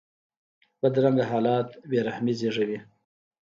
بدرنګه خیالات بې رحمي زېږوي